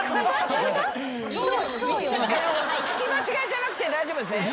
聞き間違いじゃなくて大丈夫ですね？